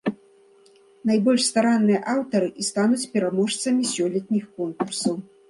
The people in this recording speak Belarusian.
Найбольш старанныя аўтары і стануць пераможцамі сёлетніх конкурсаў.